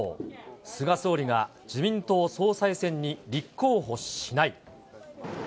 菅総理が自民党総裁選に立候補しない。